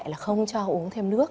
là không cho uống thêm nước